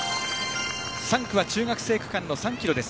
３区は中学生区間の３ｋｍです。